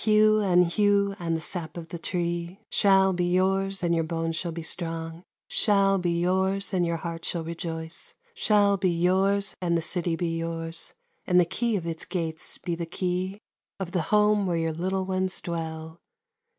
Hew and hew, and the sap of the tree Shall be yours, and your bones shall be strong, Shall be yours, and your heart shall rejoice, Shall be yours, and the city be yours, And the key of its gates be the key Of the home where your little ones dwell.